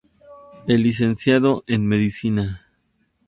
Es licenciado en Medicina.